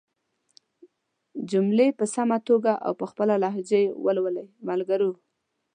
جملې په سمه توګه او په خپله لهجه ېې ولولئ ملګرو!